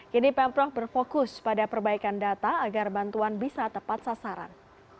kini pemprov berfokus pada perbaikan data agar bantuan bisa tepat sasaran